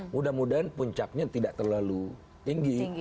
mudah mudahan puncaknya tidak terlalu tinggi